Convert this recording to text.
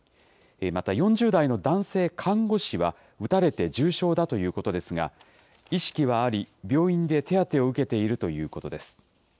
また４０代の男性看護師は、撃たれて重傷だということですが、意識はあり、病院で手当てを受けているということです。